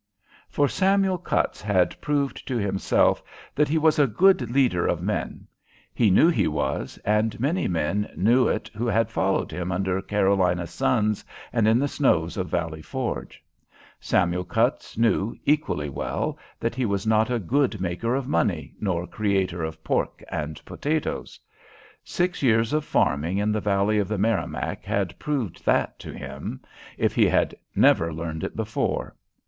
For Samuel Cutts had proved to himself that he was a good leader of men. He knew he was, and many men knew it who had followed him under Carolina suns, and in the snows of Valley Forge. Samuel Cutts knew, equally well, that he was not a good maker of money, nor creator of pork and potatoes. Six years of farming in the valley of the Merrimac had proved that to him, if he had never learned it before.